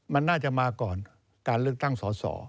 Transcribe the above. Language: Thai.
มันน่าจะมาก่อนการเลือกตั้งสอสอ